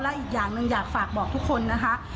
และอีกอย่างหนึ่งอยากฝากบอกทุกคนนะคะ